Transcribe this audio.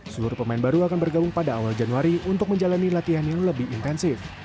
seluruh pemain baru akan bergabung pada awal januari untuk menjalani latihan yang lebih intensif